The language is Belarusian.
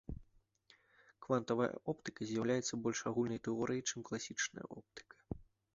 Квантавая оптыка з'яўляецца больш агульнай тэорыяй, чым класічная оптыка.